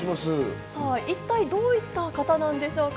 一体どういった方なんでしょうか？